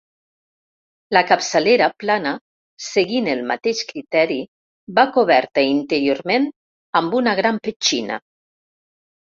La capçalera, plana, seguint el mateix criteri, va coberta interiorment amb una gran petxina.